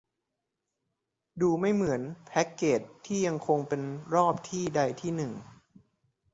ดูไม่เหมือนแพคเกจที่ยังคงเป็นรอบที่ใดที่หนึ่ง